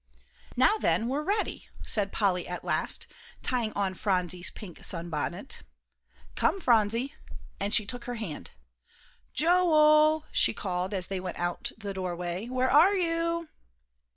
"Now then, we're ready," said Polly at last, tying on Phronsie's pink sunbonnet. "Come, Phronsie," and she took her hand. "Joel," she called, as they went out the doorway, "where are you?"